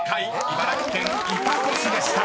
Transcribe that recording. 茨城県「いたこ市」でした］